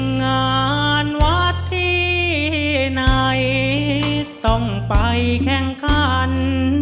งานวัดที่ไหนต้องไปแข่งขัน